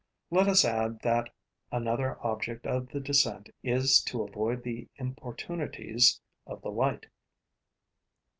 Let us add that another object of the descent is to avoid the importunities of the light.